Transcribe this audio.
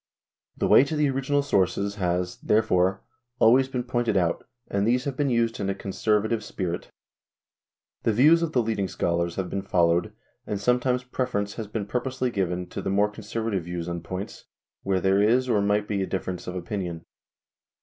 The way to the original sources has, therefore, always been pointed out, and these have been used in a conservative spirit. The views of the leading scholars have been followed, and some times preference has been purposely given to the more conservative views on points where there is or might be a difference of opinion.